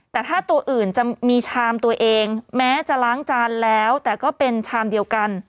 แต่ถ้าตัวอื่นจะมีชามตัวเองแม้จะล้างจานแล้วแต่ก็เป็นชามเดียวกัน